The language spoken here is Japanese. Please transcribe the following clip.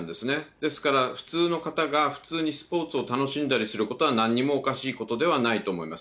ですから、普通の方が普通にスポーツを楽しんだりすることは、なんにもおかしいことではないと思います。